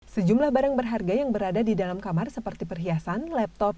sejumlah barang berharga yang berada di dalam kamar seperti perhiasan laptop